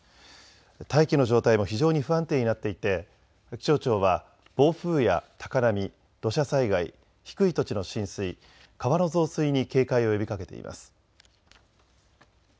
大気の状態も非常に不安定になっていて気象庁は暴風や高波、土砂災害、低い土地の浸水、川の増水に警戒を呼びかけています。